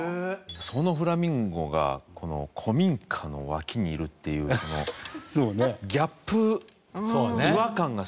そのフラミンゴが古民家の脇にいるっていうこのギャップ違和感がすごいなと思いまして。